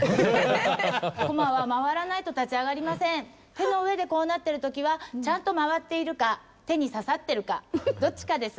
手の上でこうなってる時はちゃんと回っているか手に刺さってるかどっちかです。